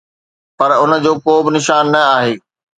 پر ان جو ڪو به نشان نه آهي